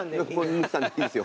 ぬくさんでいいですよ。